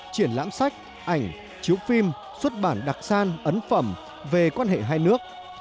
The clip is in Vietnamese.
triển lãm sách ảnh chiếu phim xuất bản đặc san ấn phẩm về quan hệ hai nước